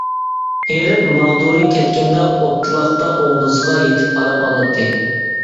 ھېرىپ ماغدۇرى كەتكەندە ئوتلاقتا ئوڭدىسىغا يېتىپ ئارام ئالاتتى.